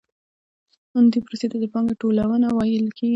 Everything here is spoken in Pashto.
دې پروسې ته د پانګې ټولونه ویل کېږي